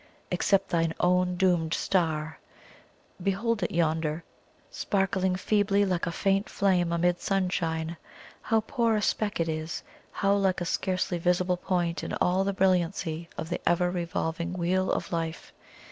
except thine own doomed star! Behold it yonder sparkling feebly, like a faint flame amid sunshine how poor a speck it is how like a scarcely visible point in all the brilliancy of the ever revolving wheel of Life!